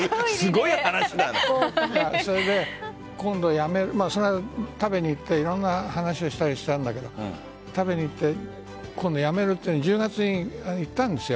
それで今度食べに行っていろんな話をしたりしたんだけど食べに行って、今度辞めると１０月に行ったんですよ